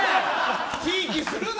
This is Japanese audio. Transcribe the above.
ひいきするな！